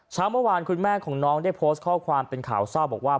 เมื่อวานคุณแม่ของน้องได้โพสต์ข้อความเป็นข่าวเศร้าบอกว่า